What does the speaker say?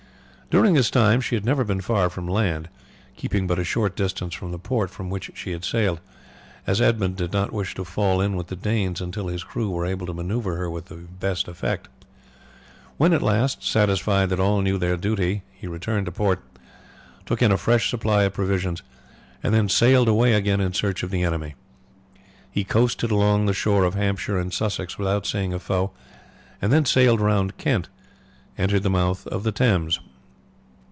During this time she had never been far from land keeping but a short distance from the port from which she had sailed, as Edmund did not wish to fall in with the Danes until his crew were able to maneuver her with the best effect. When, at last, satisfied that all knew their duty he returned to port, took in a fresh supply of provisions, and then sailed away again in search of the enemy. He coasted along the shore of Hampshire and Sussex without seeing a foe, and then sailing round Kent entered the mouth of the Thames.